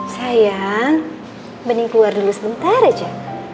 sayang mending keluar dulu sebentar aja